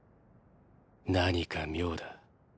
何か妙だ